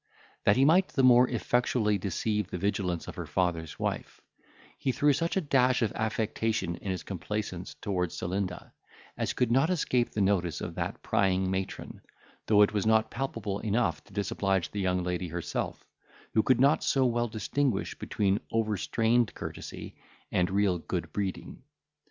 That he might the more effectually deceive the vigilance of her father's wife, he threw such a dash of affectation in his complaisance towards Celinda, as could not escape the notice of that prying matron, though it was not palpable enough to disoblige the young lady herself, who could not so well distinguish between overstrained courtesy and real good breeding.